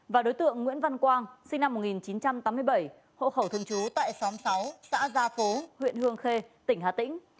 và đối tượng nguyễn văn quang sinh năm một nghìn chín trăm tám mươi bảy hộ khẩu thường trú tại xóm sáu xã gia phố huyện hương khê tỉnh hà tĩnh